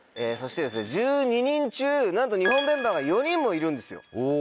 そして１２人中なんと日本メンバーが４人もいるんですよ。